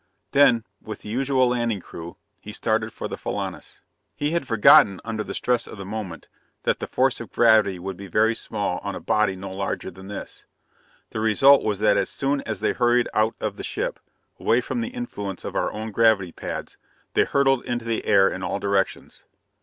Then, with the usual landing crew, he started for the Filanus. "He had forgotten, under the stress of the moment, that the force of gravity would be very small on a body no larger than this. The result was that as soon as they hurried out of the ship, away from the influence of our own gravity pads, they hurtled into the air in all directions."